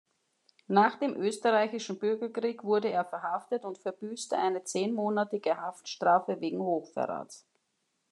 Nach dem österreichischen Bürgerkrieg wurde er verhaftet und verbüßte eine zehnmonatige Haftstrafe wegen Hochverrats.